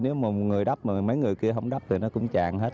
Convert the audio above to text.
nếu một người đắp mà mấy người kia không đắp thì nó cũng tràn hết